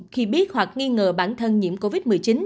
khi biết hoặc nghi ngờ bản thân nhiễm covid một mươi chín